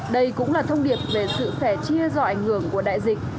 đây cũng là thông điệp về sự sẻ chia do ảnh hưởng của đại dịch